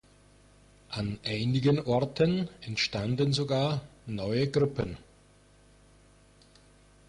An einigen Orten entstanden sogar neue Gruppen.